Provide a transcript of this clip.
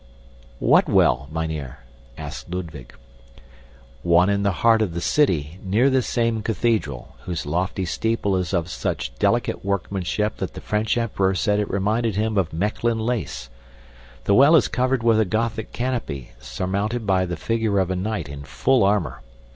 "What well, mynheer?" asked Ludwig. "One in the heart of the city, near this same cathedral, whose lofty steeple is of such delicate workmanship that the French emperor said it reminded him of Mechlin lace. The well is covered with a Gothic canopy surmounted by the figure of a knight in full armor.